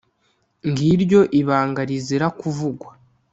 Ngiryo ibanga rizira kuvugwa.